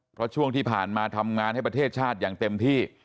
เพราะช่วงที่ผ่านมาทำงานให้ประเทศชาติอย่างเต็มที่